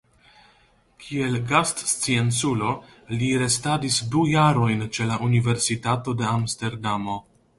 Kiel gastscienculo li restadis du jarojn ĉe la Universitato de Amsterdamo.